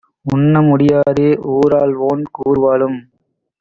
உண்ண முடியாதே ஊராள்வோன் கூர்வாளும்